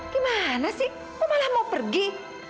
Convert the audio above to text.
gimana sih kok malah mau pergi